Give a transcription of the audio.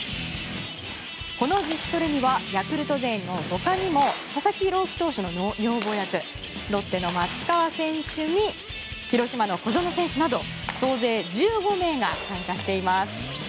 この自主トレにはヤクルト勢の他にも佐々木朗希投手の女房役ロッテの松川選手に広島の小薗選手など総勢１５名が参加しています。